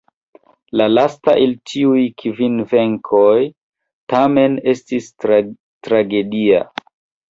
La lasta el tiuj kvin venkoj tamen estis tragedia.